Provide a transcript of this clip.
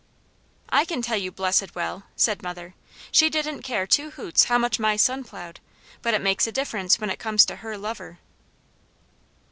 "I can tell you blessed well!" said mother. "She didn't care two hoots how much my son plowed, but it makes a difference when it comes to her lover."